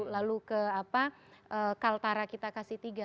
lalu ke kaltara kita kasih tiga